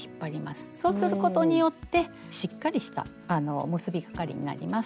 そうすることによってしっかりした結びかがりになります。